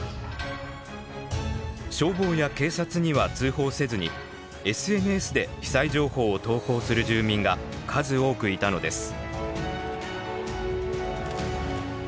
消防や警察には通報せずにＳＮＳで被災情報を投稿する住民が数多くいたのです。